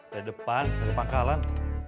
dari depan dari pangkalan